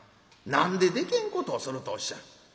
何ででけへんことをするとおっしゃる。